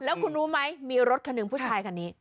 แล้วคุณรู้ไหมมีรถคันหนึ่งผู้ชายคนนี้